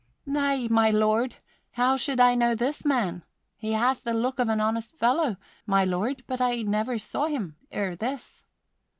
"Nay, my lord, how should I know this man? He hath the look of an honest fellow, my lord, but I never saw him ere this."